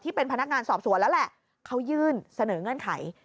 เป็นพนักงานสอบสวนแล้วแหละเขายื่นเสนอเงื่อนไข